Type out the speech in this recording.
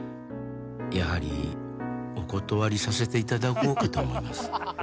「やはりお断りさせていただこうかと思います」